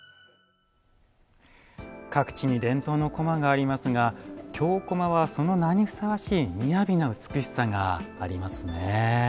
各地に伝統のこまがありますが京こまは、その名にふさわしい雅な美しさがありますね。